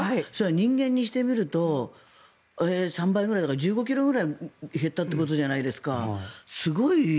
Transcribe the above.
人間にしてみると３倍ぐらいだから１５ｋｇぐらい減ったということじゃないですかすごい。